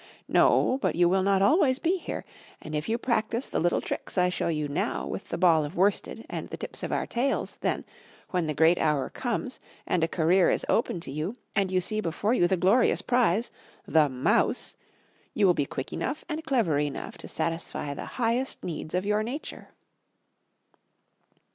"No, but you will not always be here; and if you practise the little tricks I show you now with the ball of worsted and the tips of our tails, then, when the great hour comes, and a career is open to you, and you see before you the glorious prize the MOUSE you will be quick enough and clever enough to satisfy the highest needs of your nature."